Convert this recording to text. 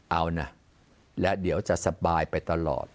เอานะและเดี๋ยวจะสบายไปตลอด